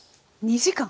２時間。